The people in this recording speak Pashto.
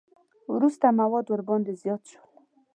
وروسته مواد ورباندې زیات شول.